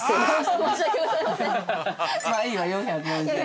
◆まあいいわ、４４０円。